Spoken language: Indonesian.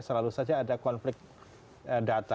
selalu saja ada konflik data